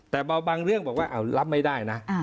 แต่บางเรื่องบอกว่ารับไม่ได้นะ